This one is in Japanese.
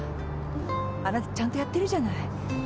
あなたちゃんとやってるじゃない。